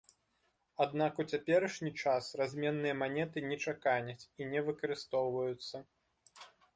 Аднак у цяперашні час разменныя манеты не чаканяць і не выкарыстоўваюцца.